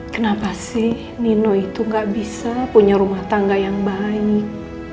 kenapa sih nino itu gak bisa punya rumah tangga yang baik